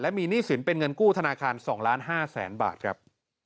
มีหนี้สินเป็นเงินกู้ธนาคาร๒๕๐๐๐๐บาทครับ